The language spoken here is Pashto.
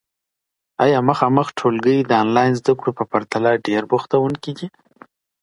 ایا مخامخ ټولګي د آنلاین زده کړو په پرتله ډیر بوختوونکي دي؟